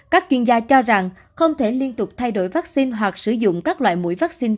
các chuyên gia cho rằng không thể liên tục thay đổi vaccine hoặc sử dụng các loại mũi vaccine